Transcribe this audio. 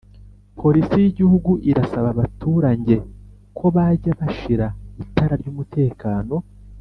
Polisi y’ igihugu irasaba abaturange ko bajya bashira itara ry’umutekano